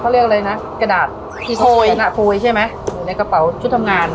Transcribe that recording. เขาเรียกอะไรนะกระดาษโพยใช่ไหมอยู่ในกระเป๋าชุดทำงาน